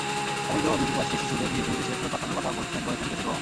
অবৈধ অভিবাসী শিশুদের নিজ নিজ দেশে ফেরত পাঠানোর কথা বলেছেন প্রেসিডেন্ট ওবামা।